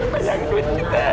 banyak duit kita